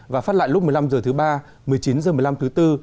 và phát lại lúc một mươi năm h thứ ba một mươi chín h một mươi năm thứ tư